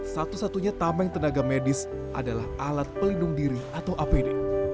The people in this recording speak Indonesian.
satu satunya tameng tenaga medis adalah alat pelindung diri atau apd